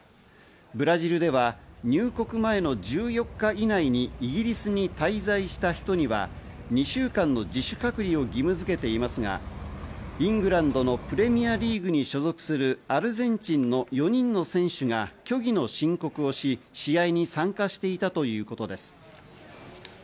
ブラジルでは、入国前の１４日以内にイギリスに滞在した人には２週間の自主隔離を義務づけていますが、イングランドのプレミアリーグに所属するアルゼンチンの４人の選手が虚偽の申告をし、試合に参加していたということです。